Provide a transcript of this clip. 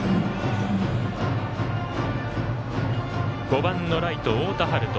５番のライト、太田遥斗。